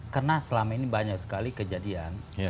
karena selama ini banyak sekali kejadian